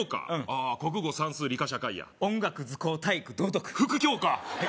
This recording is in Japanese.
ああ国語算数理科社会や音楽図工体育道徳副教科？